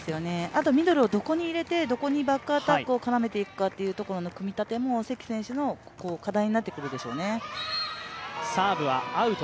あとミドルをどこに入れて、どこにバックアタックを絡めていくかの組み立ても、関選手の課題になってくるでしょうね。